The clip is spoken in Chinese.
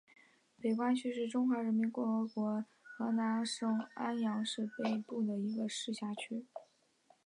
北关区是中华人民共和国河南省安阳市北部一个市辖区。